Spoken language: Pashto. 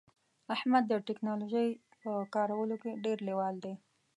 احمد د ټکنالوژی په کارولو کې ډیر لیوال دی